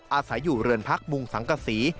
อาศัยอยู่เรือนพักมุงสังกษี